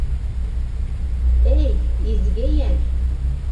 Эй, изге йән!